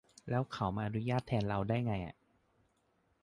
แล้วเขามาอนุญาตแทนเราได้ไงอะ